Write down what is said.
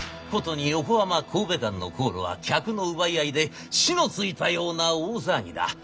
殊に横浜神戸間の航路は客の奪い合いで火のついたような大騒ぎだ。